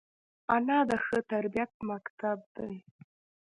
انا د ښه تربیت مکتب ده